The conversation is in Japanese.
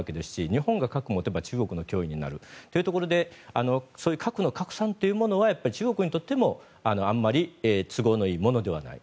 日本が核を持てば中国の脅威になるというところでそういう核の拡散というものは中国にとってもあまり都合のいいものではない。